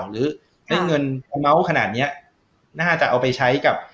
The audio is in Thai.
หรือเงินเมาส์ขนาดนี้น่าจะเอาไปใช้กับ